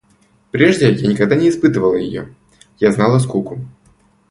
Прежде я никогда не испытывала ее – я знала скуку